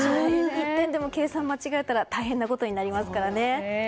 １点でも計算を間違えたら大変なことになりますからね。